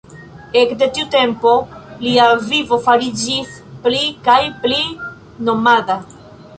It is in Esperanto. Ekde tiu tempo lia vivo fariĝis pli kaj pli nomada.